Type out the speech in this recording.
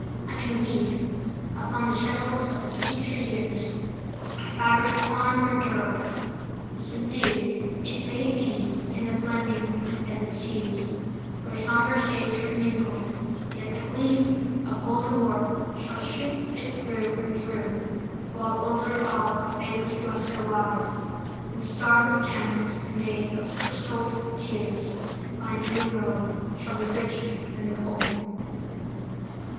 I can weave Upon the shuttles of the future years A fabric far more durable. Subdued, It may be, in the blending of its hues, Where somber shades commingle, yet the gleam Of golden warp shall shoot it through and through, While over all a fadeless luster lies, And starred with gems made out of crystalled tears, My new robe shall be richer than the old.